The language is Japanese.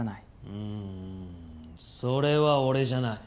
うーんそれは俺じゃない。